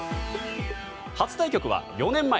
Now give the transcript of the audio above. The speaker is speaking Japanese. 初対局は４年前。